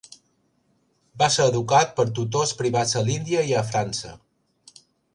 Va ser educat per tutors privats a l'Índia i a França.